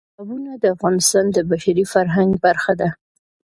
تالابونه د افغانستان د بشري فرهنګ برخه ده.